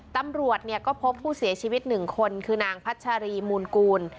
ตำรวจก็พบผู้เสียชีวิต๑คนคือนางพัชรีมูลกูล